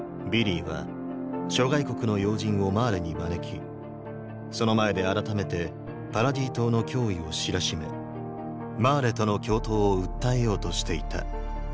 ヴィリーは諸外国の要人をマーレに招きその前で改めてパラディ島の脅威を知らしめマーレとの共闘を訴えようとしていた。